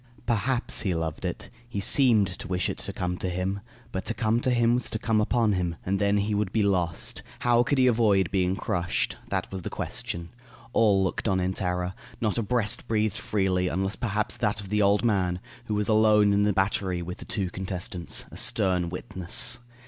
Perhaps he loved it. He seemed to wish it to come to him. But to come to him was to come upon him. And then he would be lost. How could he avoid being crushed? That was the question. All looked on in terror. Not a breast breathed freely, unless perhaps that of the old man, who was alone in the battery with the two contestants, a stern witness.